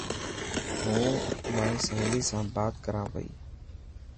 هون مائي سهيلي سان بات ڪران پئي.